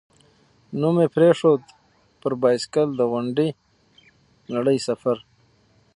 نوم یې پرېښود، «پر بایسکل د غونډې نړۍ سفر».